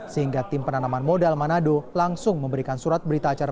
sehingga tim penanaman modal manado langsung memberikan surat berita acara